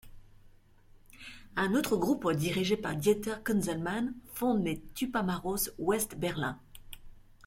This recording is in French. Un autre groupe, dirigé par Dieter Kunzelmann, fonde les Tupamaros West-Berlin.